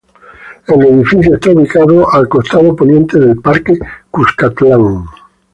El edificio está ubicado al costado poniente del Parque Cuscatlán.